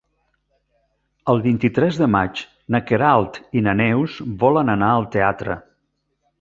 El vint-i-tres de maig na Queralt i na Neus volen anar al teatre.